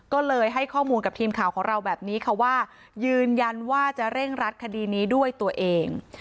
ก็เลยให้ข้อมูลกับทีมข่าวของเราแบบนี้ค่ะว่ายืนยันว่าจะเร่งรัดคดีนี้ด้วยตัวเอง